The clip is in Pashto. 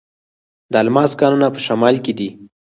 د الماس کانونه په شمال کې دي.